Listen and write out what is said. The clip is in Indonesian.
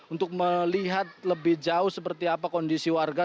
untuk melihat lebih jauh seperti apa kondisi warga